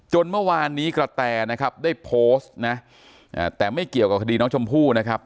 เมื่อวานนี้กระแตนะครับได้โพสต์นะแต่ไม่เกี่ยวกับคดีน้องชมพู่นะครับ